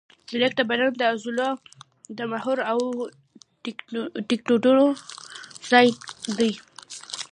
سکلیټ د بدن د عضلو د محور او ټینګېدو ځای دی.